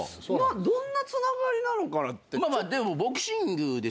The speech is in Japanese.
どんなつながりなのかなって。